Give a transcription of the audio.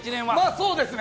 そうですね。